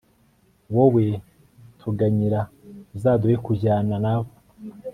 wowe tuganyira, uzaduhe kujyana nab